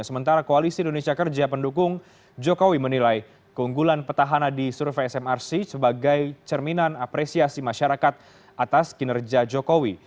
sementara koalisi indonesia kerja pendukung jokowi menilai keunggulan petahana di survei smrc sebagai cerminan apresiasi masyarakat atas kinerja jokowi